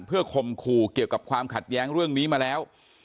เพื่อคมคู่เกี่ยวกับความขัดแย้งเรื่องนี้มาแล้ว